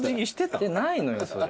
してないのよそれ。